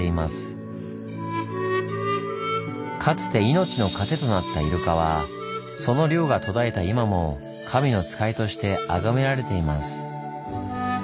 かつて命の糧となったイルカはその漁が途絶えた今も神の使いとしてあがめられています。